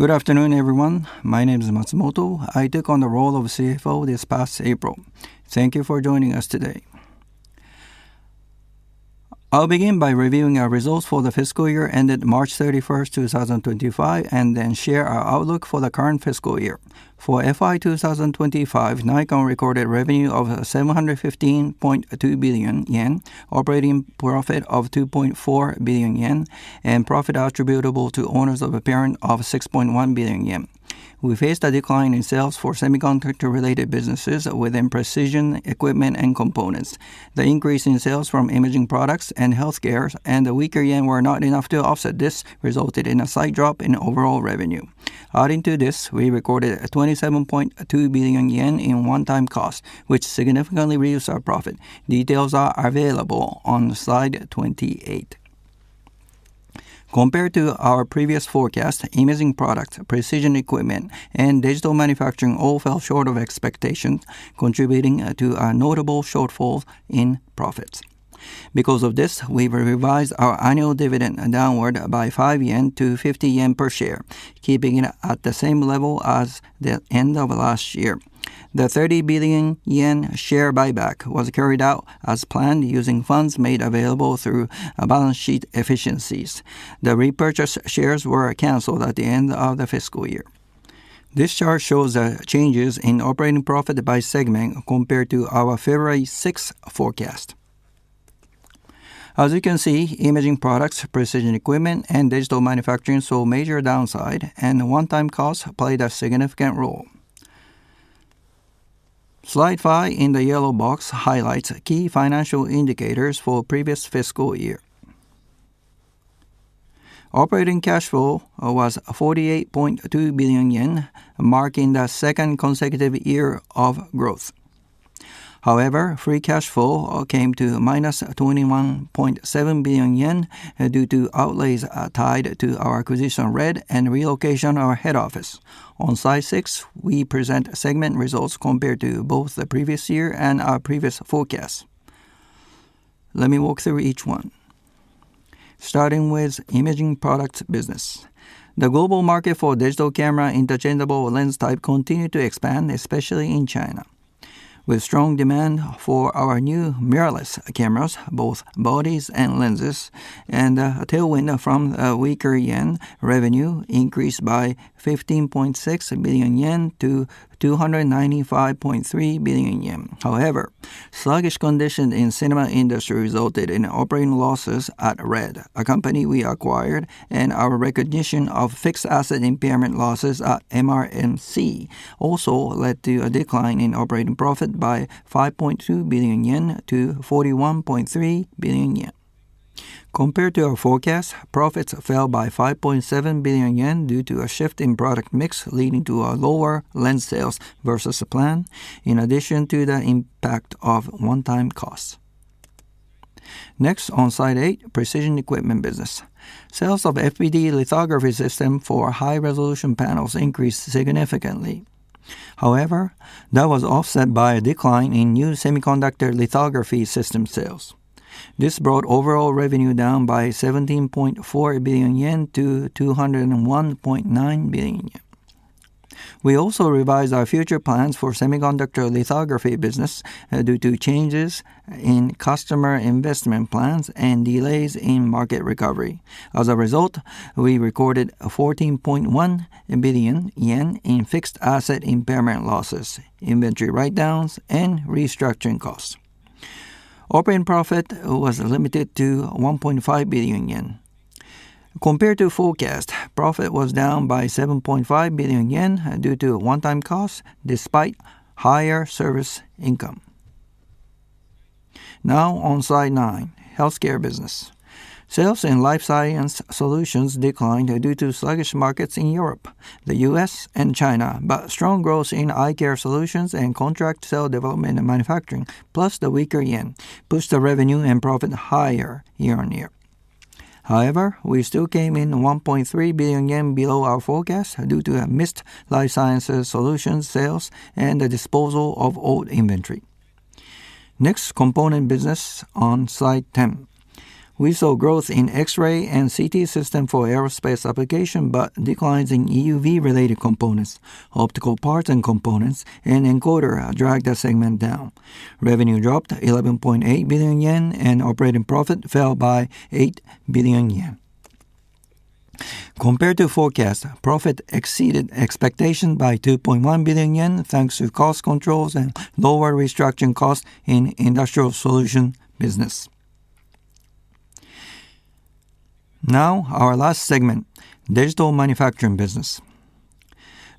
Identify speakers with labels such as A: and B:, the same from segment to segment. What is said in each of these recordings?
A: Good afternoon, everyone. My name is Matsumoto. I took on the role of CFO this past April. Thank you for joining us today. I'll begin by reviewing our results for the fiscal year ended March 31st, 2025, and then share our outlook for the current fiscal year. For FY 2025, Nikon recorded revenue of 715.2 billion yen, operating profit of 2.4 billion yen, and profit attributable to owners of parent of 6.1 billion yen. We faced a decline in sales for semiconductor-related businesses within precision equipment and components. The increase in sales from imaging products and healthcare, and the weaker yen were not enough to offset this, resulting in a slight drop in overall revenue. Adding to this, we recorded 27.2 billion yen in one-time costs, which significantly reduced our profit. Details are available on slide 28. Compared to our previous forecast, imaging products, precision equipment, and digital manufacturing all fell short of expectations, contributing to a notable shortfall in profits. Because of this, we've revised our annual dividend downward by 5 yen to 50 yen per share, keeping it at the same level as the end of last year. The 30 billion yen share buyback was carried out as planned using funds made available through balance sheet efficiencies. The repurchased shares were canceled at the end of the fiscal year. This chart shows the changes in operating profit by segment compared to our February 6 forecast. As you can see, imaging products, precision equipment, and digital manufacturing saw major downside, and the one-time costs played a significant role. Slide five in the yellow box highlights key financial indicators for the previous fiscal year. Operating cash flow was 48.2 billion yen, marking the second consecutive year of growth. However, free cash flow came to 21.7 billion yen due to outlays tied to our acquisition rate and relocation of our head office. On slide six, we present segment results compared to both the previous year and our previous forecast. Let me walk through each one. Starting with imaging products business. The global market for digital camera interchangeable lens type continued to expand, especially in China. With strong demand for our new mirrorless cameras, both bodies and lenses, and a tailwind from a weaker yen, revenue increased by 15.6 billion yen to 295.3 billion yen. However, sluggish conditions in the cinema industry resulted in operating losses at RED, a company we acquired, and our recognition of fixed asset impairment losses at MRMC also led to a decline in operating profit by 5.2 billion yen to 41.3 billion yen. Compared to our forecast, profits fell by 5.7 billion yen due to a shift in product mix leading to lower lens sales versus plan, in addition to the impact of one-time costs. Next, on slide eight, precision equipment business. Sales of FPD lithography system for high-resolution panels increased significantly. However, that was offset by a decline in new semiconductor lithography system sales. This brought overall revenue down by 17.4 billion yen to 201.9 billion yen. We also revised our future plans for semiconductor lithography business due to changes in customer investment plans and delays in market recovery. As a result, we recorded 14.1 billion yen in fixed asset impairment losses, inventory write-downs, and restructuring costs. Operating profit was limited to 1.5 billion yen. Compared to forecast, profit was down by 7.5 billion yen due to one-time costs despite higher service income. Now, on slide nine, healthcare business. Sales in life science solutions declined due to sluggish markets in Europe, the U.S., and China, but strong growth in eye care solutions and contract cell development and manufacturing, plus the weaker yen, pushed the revenue and profit higher year on year. However, we still came in 1.3 billion yen below our forecast due to missed life science solutions sales and the disposal of old inventory. Next, components business on slide 10. We saw growth in X-ray and CT system for aerospace application, but declines in EUV-related components, optical parts and components, and encoder dragged the segment down. Revenue dropped 11.8 billion yen, and operating profit fell by 8 billion yen. Compared to forecast, profit exceeded expectations by 2.1 billion yen thanks to cost controls and lower restructuring costs in industrial solution business. Now, our last segment, digital manufacturing business.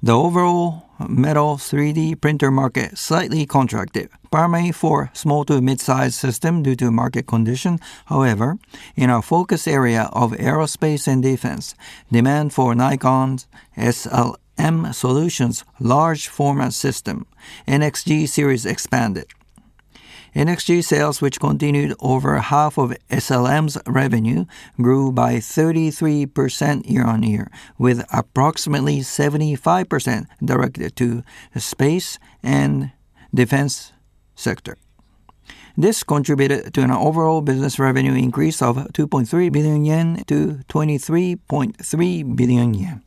A: The overall metal 3D printer market is slightly contracted, primarily for small to mid-size systems due to market conditions. However, in our focus area of aerospace and defense, demand for Nikon's SLM Solutions large format system, NXG Series, expanded. NXG sales, which continued over half of SLM's revenue, grew by 33% year on year, with approximately 75% directed to space and defense sector. This contributed to an overall business revenue increase of 2.3 billion yen to 23.3 billion yen.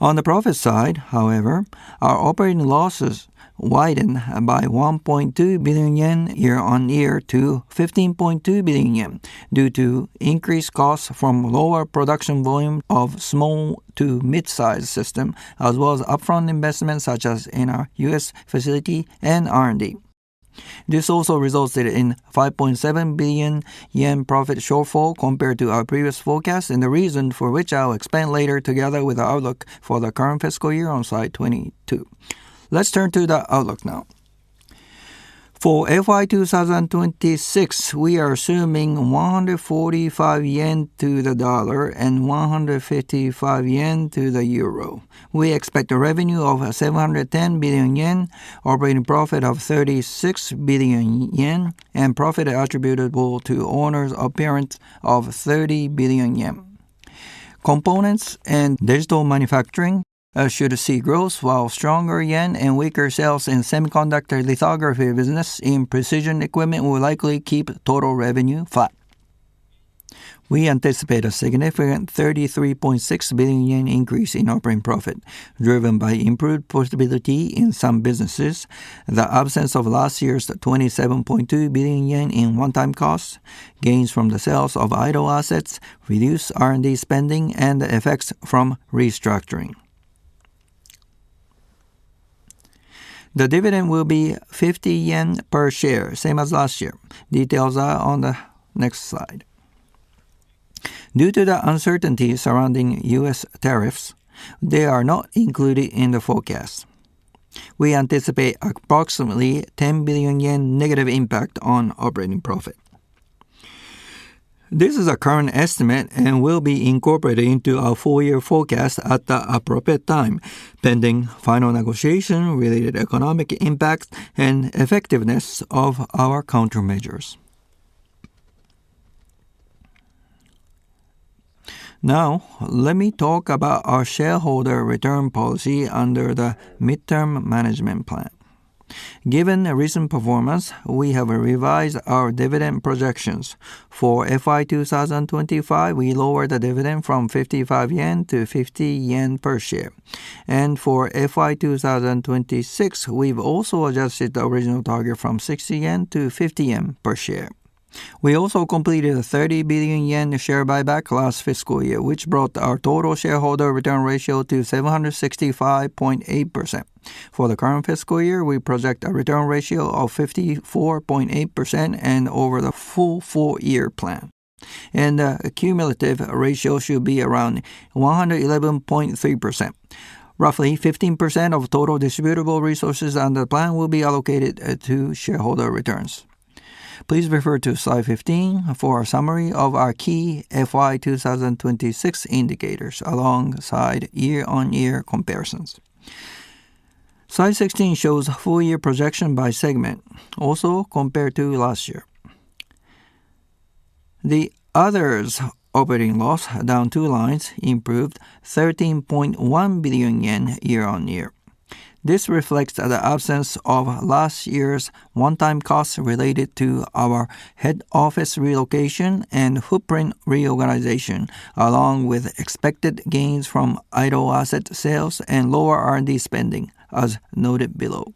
A: On the profit side, however, our operating losses widened by 1.2 billion yen year on year to 15.2 billion yen due to increased costs from lower production volume of small to mid-size systems, as well as upfront investments such as in our U.S. facility and R&D. This also resulted in 5.7 billion yen profit shortfall compared to our previous forecast, and the reason for which I'll explain later together with the outlook for the current fiscal year on slide 22. Let's turn to the outlook now. For FY 2026, we are assuming 145 yen to the dollar and 155 yen to the euro. We expect a revenue of 710 billion yen, operating profit of 36 billion yen, and profit attributable to owners' apparent of 30 billion yen. Components and digital manufacturing should see growth, while stronger yen and weaker sales in semiconductor lithography business in precision equipment will likely keep total revenue flat. We anticipate a significant 33.6 billion yen increase in operating profit, driven by improved profitability in some businesses, the absence of last year's 27.2 billion yen in one-time costs, gains from the sales of idle assets, reduced R&D spending, and the effects from restructuring. The dividend will be 50 yen per share, same as last year. Details are on the next slide. Due to the uncertainty surrounding U.S. tariffs, they are not included in the forecast. We anticipate approximately 10 billion yen negative impact on operating profit. This is a current estimate and will be incorporated into our four-year forecast at the appropriate time, pending final negotiation, related economic impacts, and effectiveness of our countermeasures. Now, let me talk about our shareholder return policy under the midterm management plan. Given recent performance, we have revised our dividend projections. For FY 2025, we lowered the dividend from 55 yen to 50 yen per share. For FY 2026, we have also adjusted the original target from 60 yen to 50 yen per share. We also completed a 30 billion yen share buyback last fiscal year, which brought our total shareholder return ratio to 765.8%. For the current fiscal year, we project a return ratio of 54.8% and over the full four-year plan. The cumulative ratio should be around 111.3%. Roughly 15% of total distributable resources under the plan will be allocated to shareholder returns. Please refer to slide 15 for a summary of our key FY 2026 indicators alongside year-on-year comparisons. Slide 16 shows a four-year projection by segment, also compared to last year. The others' operating loss, down two lines, improved 13.1 billion yen year on year. This reflects the absence of last year's one-time costs related to our head office relocation and footprint reorganization, along with expected gains from idle asset sales and lower R&D spending, as noted below.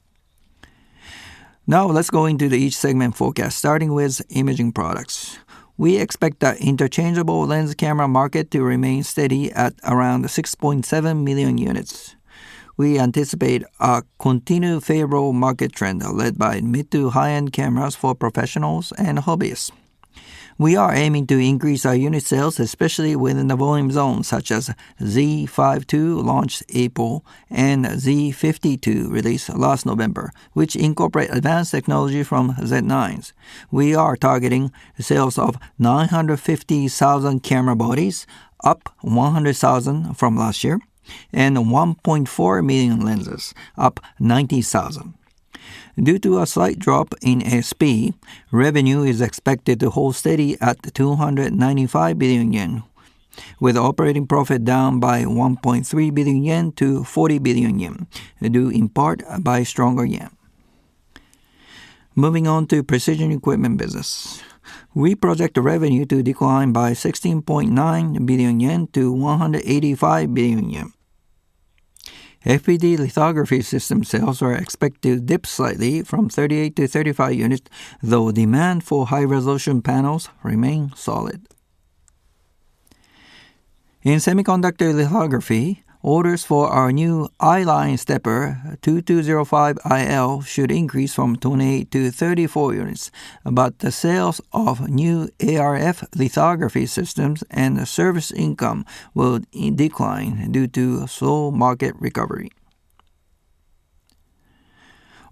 A: Now, let's go into the each segment forecast, starting with imaging products. We expect the interchangeable lens camera market to remain steady at around 6.7 billion. We anticipate a continued favorable market trend led by mid-to-high-end cameras for professionals and hobbyists. We are aiming to increase our unit sales, especially within the volume zones such as Z5 II launched April and Z6 III released last November, which incorporate advanced technology from Z9. We are targeting sales of 950,000 camera bodies, up 100,000 from last year, and 1.4 million lenses, up 90,000. Due to a slight drop in ASP, revenue is expected to hold steady at 295 billion yen, with operating profit down by 1.3 billion yen to 40 billion yen, due in part by stronger yen. Moving on to precision equipment business. We project revenue to decline by 16.9 billion yen to 185 billion yen. FPD lithography system sales are expected to dip slightly from 38 to 35 units, though demand for high-resolution panels remains solid. In semiconductor lithography, orders for our new i-line stepper 2205iL should increase from 28 to 34 units, but the sales of new ArF lithography systems and service income will decline due to slow market recovery.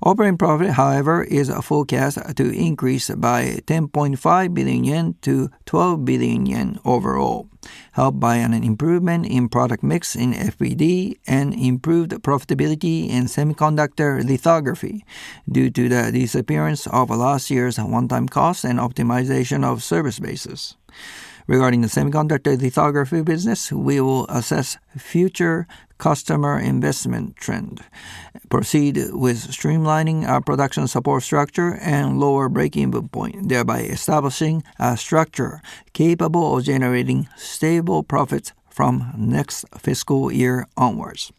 A: Operating profit, however, is forecast to increase by 10.5 billion yen to 12 billion yen overall, helped by an improvement in product mix in FPD and improved profitability in semiconductor lithography due to the disappearance of last year's one-time costs and optimization of service bases. Regarding the semiconductor lithography business, we will assess future customer investment trend, proceed with streamlining our production support structure and lower breakeven point, thereby establishing a structure capable of generating stable profits from next fiscal year onwards.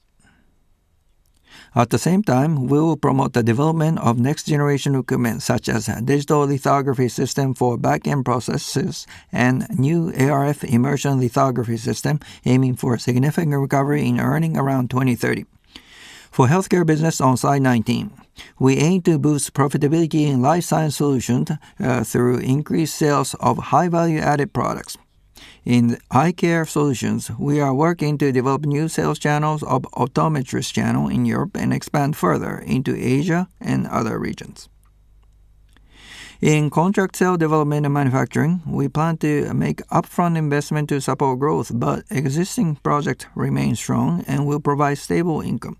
A: At the same time, we will promote the development of next-generation equipment such as digital lithography system for back-end processes and new ArF immersion lithography system, aiming for a significant recovery in earnings around 2030. For healthcare business on slide 19, we aim to boost profitability in life science solutions through increased sales of high-value-added products. In eye care solutions, we are working to develop new sales channels of optometrist channel in Europe and expand further into Asia and other regions. In contract cell development and manufacturing, we plan to make upfront investment to support growth, but existing projects remain strong and will provide stable income.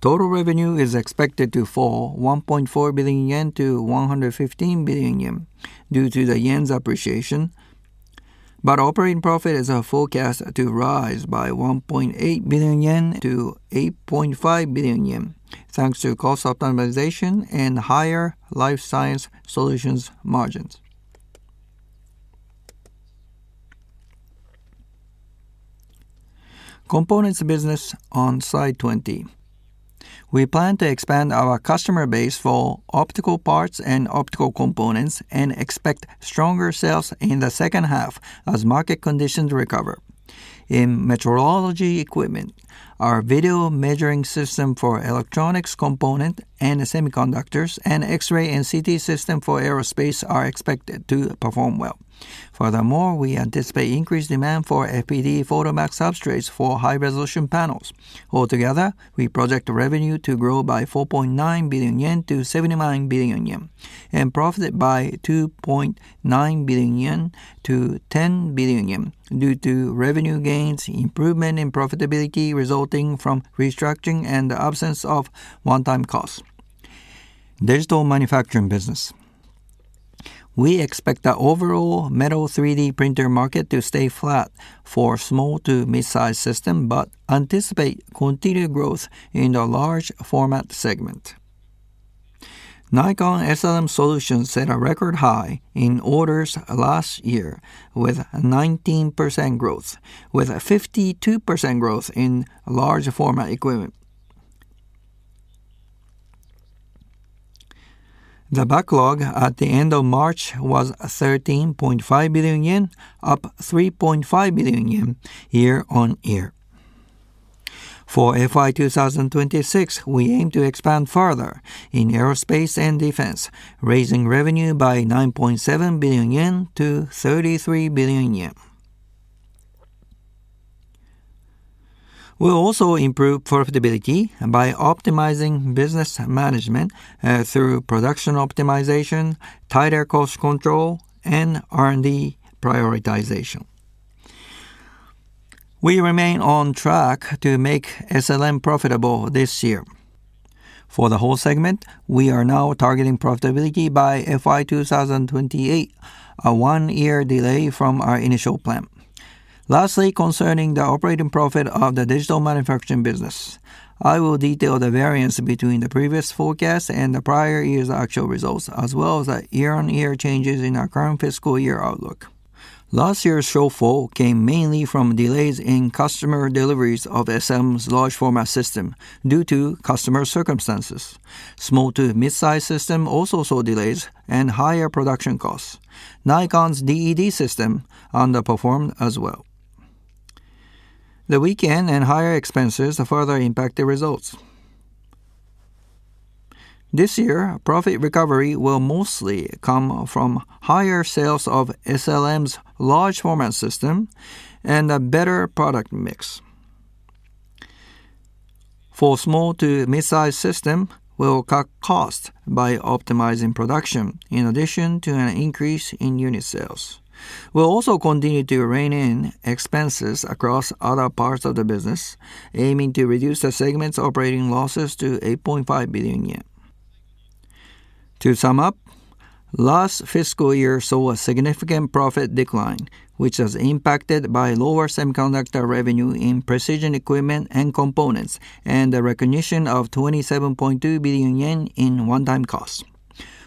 A: Total revenue is expected to fall 1.4 billion yen to 115 billion yen due to the yen's appreciation, but operating profit is forecast to rise by 1.8 billion yen to 8.5 billion yen thanks to cost optimization and higher life science solutions margins. Components business on slide 20. We plan to expand our customer base for optical parts and optical components and expect stronger sales in the second half as market conditions recover. In metrology equipment, our video measuring system for electronics components and semiconductors, and X-ray and CT system for aerospace are expected to perform well. Furthermore, we anticipate increased demand for FPD photomag substrates for high-resolution panels. Altogether, we project revenue to grow by 4.9 billion yen to 79 billion yen and profit by 2.9 billion yen to 10 billion yen due to revenue gains, improvement in profitability resulting from restructuring, and the absence of one-time costs. Digital manufacturing business. We expect the overall metal 3D printer market to stay flat for small to mid-size systems, but anticipate continued growth in the large format segment. Nikon SLM Solutions set a record high in orders last year with 19% growth, with 52% growth in large format equipment. The backlog at the end of March was 13.5 billion yen, up 3.5 billion yen year on year. For FY 2026, we aim to expand further in aerospace and defense, raising revenue by 9.7 billion yen to 33 billion yen. We'll also improve profitability by optimizing business management through production optimization, tighter cost control, and R&D prioritization. We remain on track to make SLM profitable this year. For the whole segment, we are now targeting profitability by FY 2028, a one-year delay from our initial plan. Lastly, concerning the operating profit of the digital manufacturing business, I will detail the variance between the previous forecast and the prior year's actual results, as well as the year-on-year changes in our current fiscal year outlook. Last year's shortfall came mainly from delays in customer deliveries of SLM's large format system due to customer circumstances. Small to mid-size system also saw delays and higher production costs. Nikon's DED system underperformed as well. The weak yen and higher expenses further impacted results. This year, profit recovery will mostly come from higher sales of SLM's large format system and a better product mix. For small to mid-size systems, we'll cut costs by optimizing production, in addition to an increase in unit sales. We'll also continue to rein in expenses across other parts of the business, aiming to reduce the segment's operating losses to 8.5 billion yen. To sum up, last fiscal year saw a significant profit decline, which is impacted by lower semiconductor revenue in precision equipment and components and the recognition of 27.2 billion yen in one-time costs.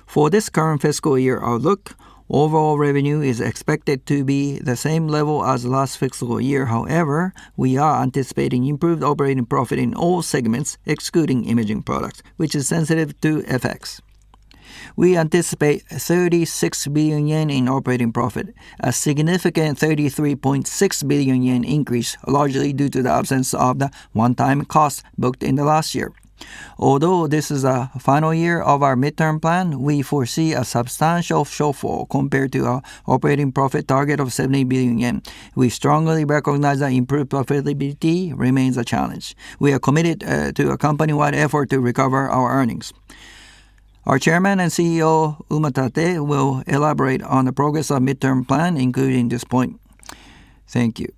A: For this current fiscal year outlook, overall revenue is expected to be the same level as last fiscal year. However, we are anticipating improved operating profit in all segments, excluding imaging products, which is sensitive to FX. We anticipate 36 billion yen in operating profit, a significant 33.6 billion yen increase, largely due to the absence of the one-time costs booked in the last year. Although this is the final year of our midterm plan, we foresee a substantial shortfall compared to our operating profit target of 70 billion yen. We strongly recognize that improved profitability remains a challenge. We are committed to a company-wide effort to recover our earnings. Our Chairman and CEO, Umatate, will elaborate on the progress of the midterm plan, including this point. Thank you.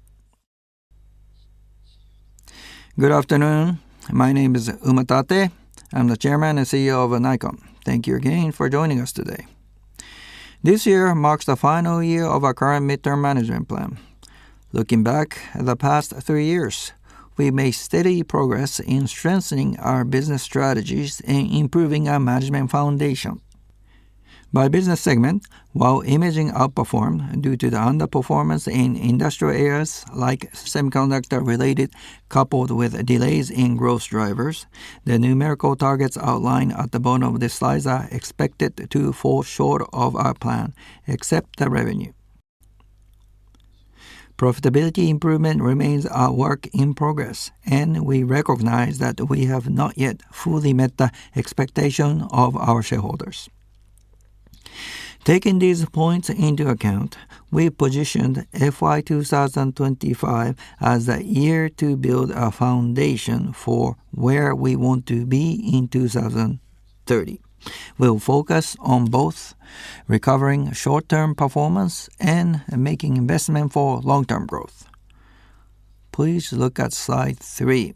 B: Good afternoon. My name is Umatate. I'm the Chairman and CEO of Nikon. Thank you again for joining us today. This year marks the final year of our current midterm management plan. Looking back at the past three years, we've made steady progress in strengthening our business strategies and improving our management foundation. By business segment, while imaging outperformed due to the underperformance in industrial areas like semiconductor-related, coupled with delays in growth drivers, the numerical targets outlined at the bottom of this slide are expected to fall short of our plan, except the revenue. Profitability improvement remains a work in progress, and we recognize that we have not yet fully met the expectation of our shareholders. Taking these points into account, we have positioned FY 2025 as the year to build a foundation for where we want to be in 2030. We will focus on both recovering short-term performance and making investment for long-term growth. Please look at slide three.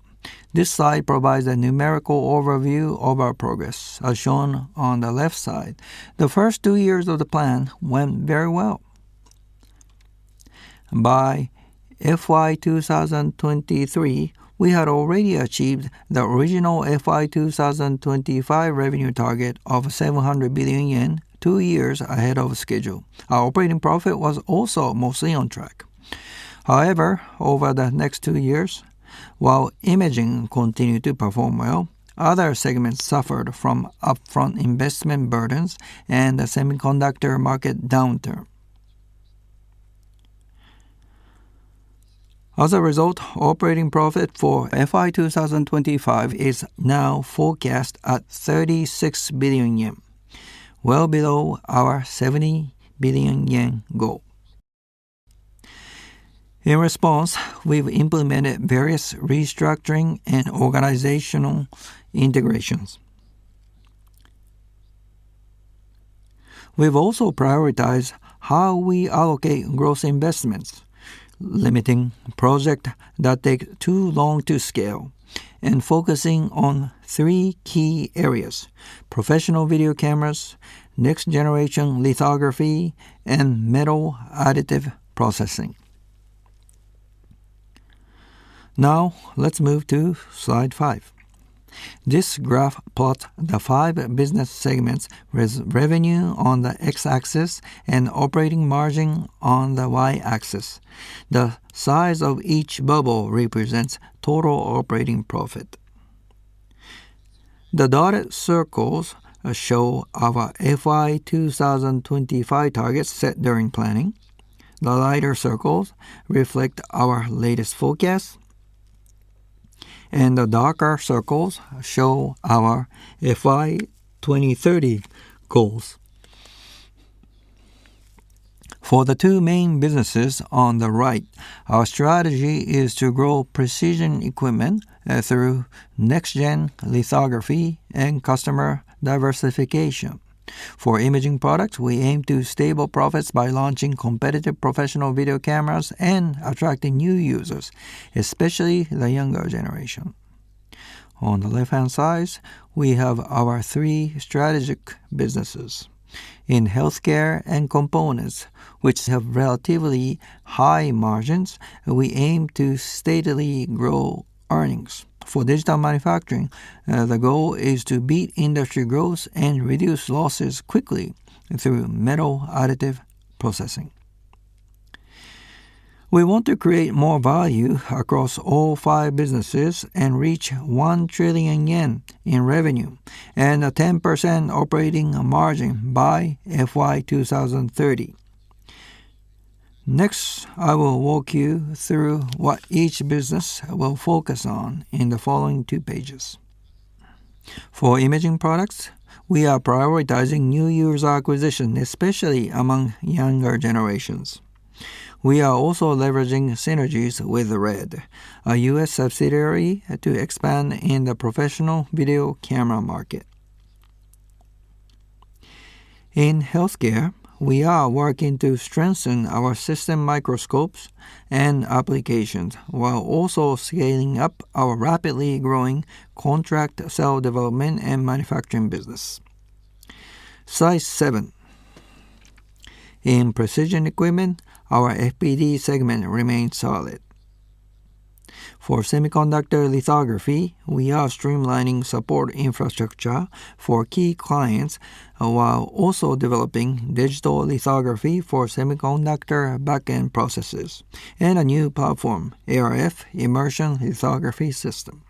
B: This slide provides a numerical overview of our progress, as shown on the left side. The first two years of the plan went very well. By FY 2023, we had already achieved the original FY 2025 revenue target of 700 billion yen, two years ahead of schedule. Our operating profit was also mostly on track. However, over the next two years, while imaging continued to perform well, other segments suffered from upfront investment burdens and the semiconductor market downturn. As a result, operating profit for FY 2025 is now forecast at 36 billion yen, well below our 70 billion yen goal. In response, we've implemented various restructuring and organizational integrations. We've also prioritized how we allocate gross investments, limiting projects that take too long to scale, and focusing on three key areas: professional video cameras, next-generation lithography, and metal additive processing. Now, let's move to slide five. This graph plots the five business segments with revenue on the X-axis and operating margin on the Y-axis. The size of each bubble represents total operating profit. The dotted circles show our FY 2025 targets set during planning. The lighter circles reflect our latest forecast, and the darker circles show our FY 2030 goals. For the two main businesses on the right, our strategy is to grow precision equipment through next-gen lithography and customer diversification. For imaging products, we aim to stable profits by launching competitive professional video cameras and attracting new users, especially the younger generation. On the left-hand side, we have our three strategic businesses. In healthcare and components, which have relatively high margins, we aim to steadily grow earnings. For digital manufacturing, the goal is to beat industry growth and reduce losses quickly through metal additive processing. We want to create more value across all five businesses and reach 1 trillion yen in revenue and a 10% operating margin by FY 2030. Next, I will walk you through what each business will focus on in the following two pages. For imaging products, we are prioritizing new user acquisition, especially among younger generations. We are also leveraging synergies with RED, a U.S. subsidiary, to expand in the professional video camera market. In healthcare, we are working to strengthen our system microscopes and applications while also scaling up our rapidly growing contract cell development and manufacturing business. Slide seven. In precision equipment, our FPD segment remains solid. For semiconductor lithography, we are streamlining support infrastructure for key clients while also developing digital lithography for semiconductor back-end processes and a new platform, ArF immersion lithography system.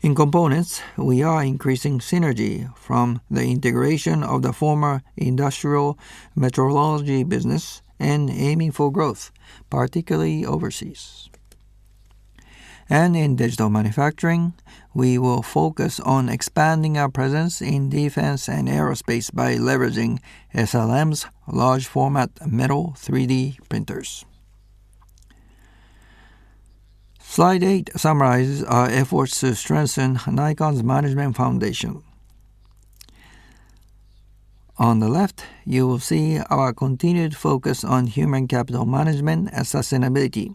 B: In components, we are increasing synergy from the integration of the former industrial metrology business and aiming for growth, particularly overseas. In digital manufacturing, we will focus on expanding our presence in defense and aerospace by leveraging SLM's large format metal 3D printers. Slide eight summarizes our efforts to strengthen Nikon's management foundation. On the left, you will see our continued focus on human capital management and sustainability.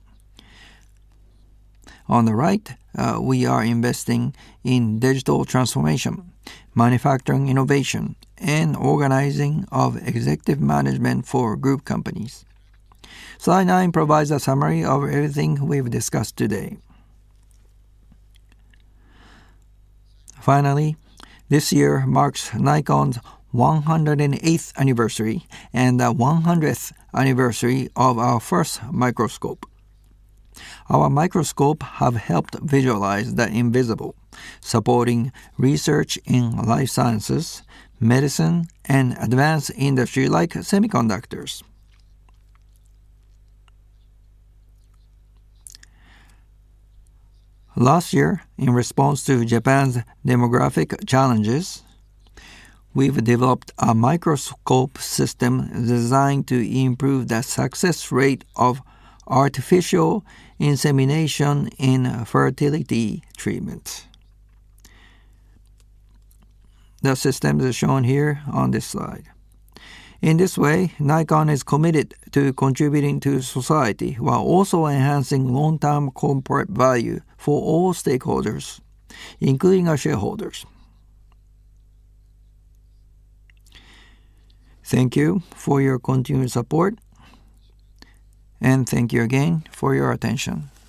B: On the right, we are investing in digital transformation, manufacturing innovation, and organizing of executive management for group companies. Slide nine provides a summary of everything we've discussed today. Finally, this year marks Nikon's 108th anniversary and the 100th anniversary of our first microscope. Our microscope has helped visualize the invisible, supporting research in life sciences, medicine, and advanced industry like semiconductors. Last year, in response to Japan's demographic challenges, we've developed a microscope system designed to improve the success rate of artificial insemination in fertility treatments. The system is shown here on this slide. In this way, Nikon is committed to contributing to society while also enhancing long-term corporate value for all stakeholders, including our shareholders. Thank you for your continued support, and thank you again for your attention.